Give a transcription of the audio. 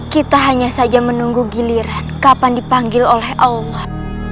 kita hanya saja menunggu giliran kapan dipanggil oleh allah